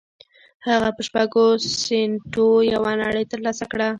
هغه په شپږو سينټو یوه نړۍ تر لاسه کړه